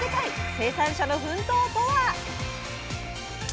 生産者の奮闘とは？